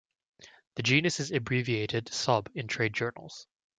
The genus is abbreviated Sob in trade journals.